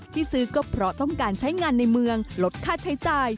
ที่ซื้อก็เพราะต้องการใช้งานในเมืองลดค่าใช้จ่าย